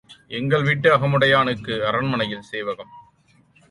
எங்கள் வீட்டு அகமுடையானுக்கும் அரண்மனையில் சேவகம்.